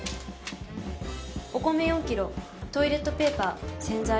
お米４キロトイレットペーパー洗剤。